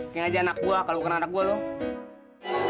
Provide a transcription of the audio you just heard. kaya aja anak gua kalau kena anak gua tuh